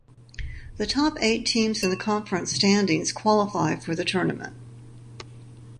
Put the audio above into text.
The top eight teams in the conference standings qualify for the tournament.